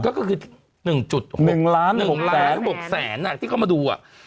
ก็คือ๑๖๖แสนที่เข้ามาดู